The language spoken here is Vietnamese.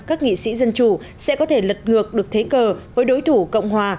các nghị sĩ dân chủ sẽ có thể lật ngược được thế cờ với đối thủ cộng hòa